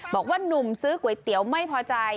บอกว่านุ่มซื้อก๋วยเตี๋ยวไม่พอใจ